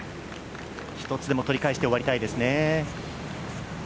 一つでも取り返して終わりたいですね。